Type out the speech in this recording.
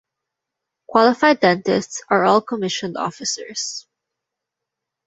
Qualified dentists are all commissioned officers.